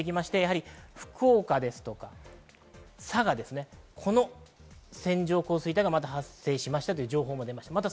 福岡ですとか、佐賀、この線状降水帯が発生しましたという情報も出ました。